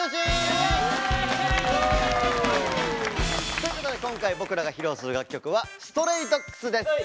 ということで今回僕らが披露する楽曲は「Ｓｔｒａｙｄｏｇｓ．」です。